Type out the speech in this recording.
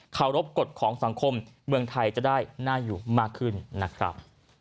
เคารพกฎของสังคมเมืองไทยจะได้น่าอยู่มากขึ้นนะครับ